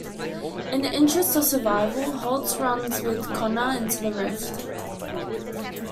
In the interest of survival, Holtz runs with Connor into the rift.